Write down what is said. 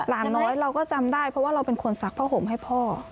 น้อยเราก็จำได้เพราะว่าเราเป็นคนซักผ้าห่มให้พ่อ